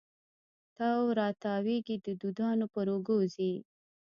تاو را تاویږې د دودانو پر اوږو ځي